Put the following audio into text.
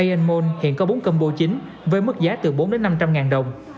a m hiện có bốn combo chính với mức giá từ bốn năm trăm linh ngàn đồng